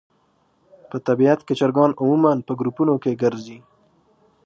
په طبیعت کې چرګان عموماً په ګروپونو کې ګرځي.